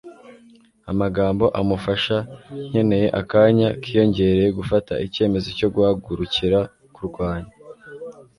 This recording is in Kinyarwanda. amagambo amufasha nkeneye akanya kiyongereye gufata icyemezo cyo guhagurukira kurwanya